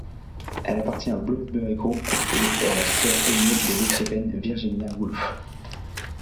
Elle appartient au Bloomsbury Group et est la sœur aînée de l'écrivaine Virginia Woolf.